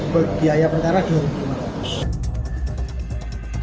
berbiaya percara rp dua ratus lima puluh juta